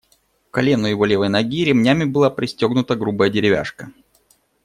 К колену его левой ноги ремнями была пристегнута грубая деревяшка.